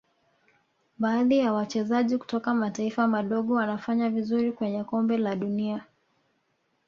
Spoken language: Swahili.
baadhi ya wachezaji kutoka mataifa madogo wanafanya vizuri kwenye Kombe la dunia